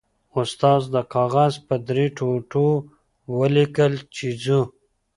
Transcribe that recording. استاد د کاغذ په درې ټوټو ولیکل چې ځو.